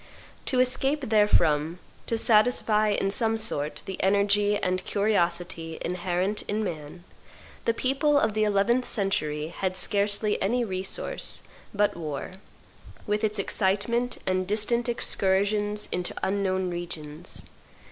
To escape therefrom, to satisfy in some sort the energy and curiosity inherent in man, the people of the eleventh century had scarcely any resource but war, with its excitement and distant excursions into unknown regions.